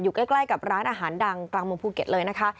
ใกล้กับร้านอาหารดังกลางเมืองภูเก็ตเลยนะคะ